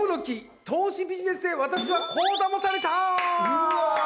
うわ！